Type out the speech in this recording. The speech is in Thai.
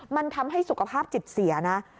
มันทำให้สุขภาพจิตเสียนะ